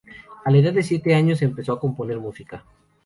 A la edad de siete años empezó a componer música.